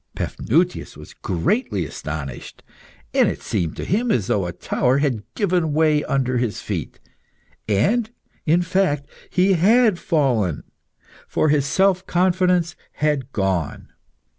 Paphnutius was greatly astonished, and it seemed to him as though a tower had given way under his feet. And, in fact, he had fallen, for his self confidence had gone.